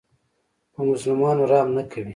په مظلومانو رحم نه کوي.